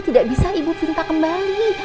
tidak bisa ibu cinta kembali